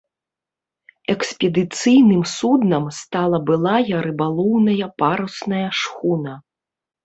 Экспедыцыйным суднам стала былая рыбалоўная парусная шхуна.